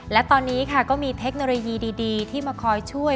และตอนนี้ค่ะก็มีเทคโนโลยีดีที่มาคอยช่วย